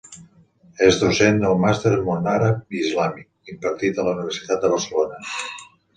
És docent al Màster Món Àrab i Islàmic, impartit a la Universitat de Barcelona.